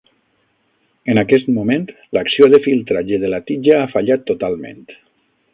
En aquest moment, l'acció de filtratge de la tija ha fallat totalment.